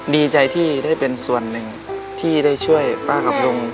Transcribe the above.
ดีใจที่ได้เป็นส่วนหนึ่งที่ได้ช่วยป้ากับลุง